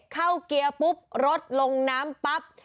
เข้าเกียร์ปุ๊บรถลงน้ำปั๊บ